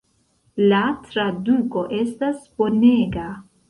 La traduko estas bonega.